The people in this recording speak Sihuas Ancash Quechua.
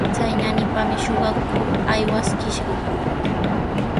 Chay naanipami suqakuq aywaskishqa.